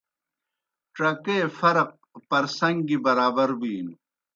ڇگیئے فرق پرسن٘گ گیْ برابر بِینوْ۔